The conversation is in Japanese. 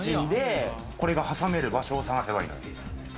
これが挟める場所を探せばいい。